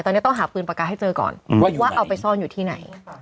ตอนนี้ต้องหาปืนปากกาให้เจอก่อนว่าเอาไปซ่อนอยู่ที่ไหน